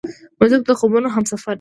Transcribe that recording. موزیک د خوبونو همسفر دی.